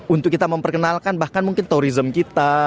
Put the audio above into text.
untuk kita memperkenalkan bahkan mungkin tourism kita